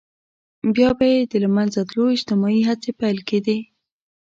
بيا به يې د له منځه تلو اجتماعي هڅې پيل کېدې.